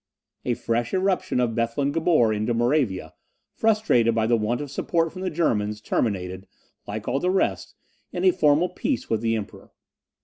A fresh irruption of Bethlen Gabor into Moravia, frustrated by the want of support from the Germans, terminated, like all the rest, in a formal peace with the Emperor.